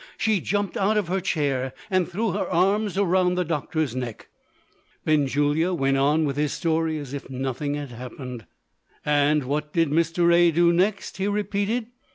She jumped out of her chair, and threw her arms round the doctor's neck. Benjulia went on with his story as if nothing had happened. "And what did Mr. A. do next?" he repeated.